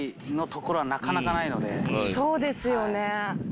そうですよね。